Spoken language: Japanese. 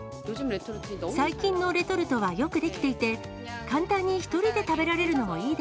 最近のレトルトはよく出来ていて、簡単に１人で食べられるのもいい